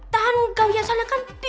tahan gaul yang salah kan